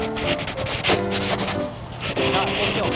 さあ動きを早く。